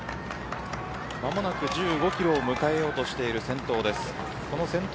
間もなく１５キロを迎えようという先頭です。